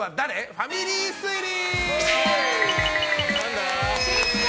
ファミリー推理！